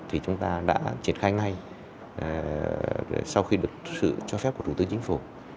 thì chúng ta đã triển khai ngay sau khi được sự cho phép của thủ tướng chính phủ